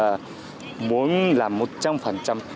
tôi muốn làm môi trường hà nội đẹp sách nhất